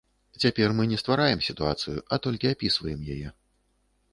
Цяпер мы не ствараем сітуацыю, а толькі апісваем яе.